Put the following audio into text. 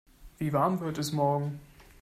Wie warm wird es morgen?